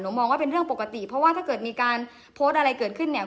มองว่าเป็นเรื่องปกติเพราะว่าถ้าเกิดมีการโพสต์อะไรเกิดขึ้นเนี่ย